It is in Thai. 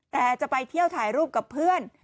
แต่จะไปเที่ยวถ่ายรูปกับเพื่อน